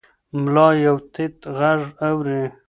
ملا یو تت غږ اوري.